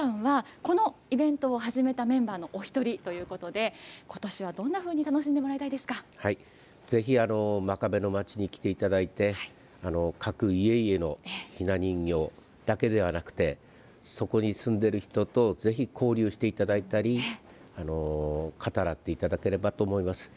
隆さんは、このイベントを始めたメンバーのお一人ということで、ことしはどんなふうに楽しんぜひ、真壁の街に来ていただいて、各家々のひな人形だけではなくて、そこに住んでいる人とぜひ交流していただいたり、語らっていただければと思います。